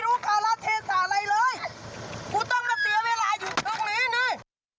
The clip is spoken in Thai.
กูต้องมาเสียเวลาอยู่ตรงนี้นี่